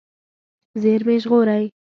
زېرمې ژغورئ.